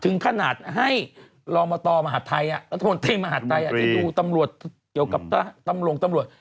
ถึงขนาดให้ลองมาต่อมหาดไทยรัฐบนตรีมหาดไทยจะดูตำรวจเกี่ยวกับตำรวงตำรวจ